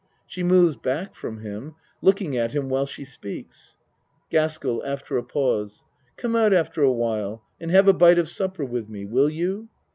(She moves back from him looking at him while she speaks). GASKELL (After a pause.) Come out after while and have a bite of supper with me. Will you?